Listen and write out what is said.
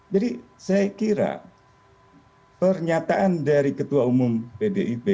jadi saya kira pernyataan dari ketua umum pdib